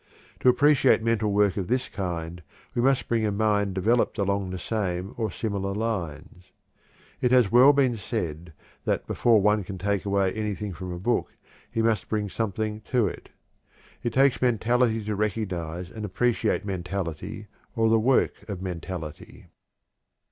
To appreciate mental work of this kind we must bring a mind developed along the same or similar lines. It has well been said that before one can take away anything from a book he must bring something to it. It takes mentality to recognize and appreciate mentality or the work of mentality.